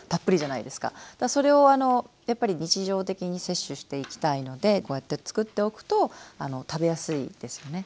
それをやっぱり日常的に摂取していきたいのでこうやって作っておくと食べやすいですよね。